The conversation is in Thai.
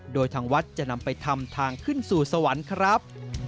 โดยทางวัดจะนำไปทำทางขึ้นสู่สวรรค์ครับ